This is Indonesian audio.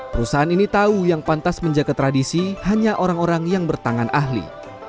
perusahaan ini tahu yang pantas menjaga tradisi hanya orang orang yang bertangan ahli